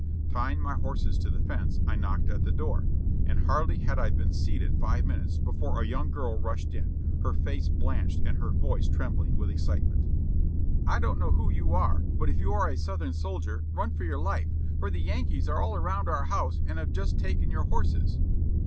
Tying my horses to the fence, I knocked at the door, and hardlv had I been seated five minutes before a young 676 JOHNNY re;b and bili^y yank girl rushed in, her face blanched and her voice trembling with ex citement. "I don't know who you are, but if you are a Southern soldier, run for your life, for the Yankees are all around our house and have just taken your horses.